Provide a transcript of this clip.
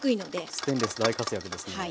ステンレンス大活躍ですね。